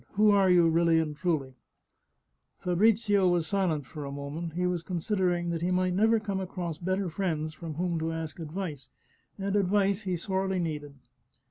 Who are you, really and truly ?" Fabrizio was silent for a moment; he was considering that he might never come across better friends from whom to ask advice, and advice he sorely needed.